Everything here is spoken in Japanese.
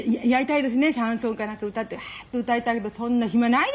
シャンソンかなんか歌ってうわっと歌いたいけどそんな暇ないですよ